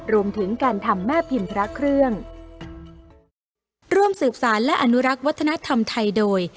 รวมถึงการทำแม่พิมพ์พระเครื่องร่วมสืบสารและอนุรักษ์วัฒนธรรมไทยโดย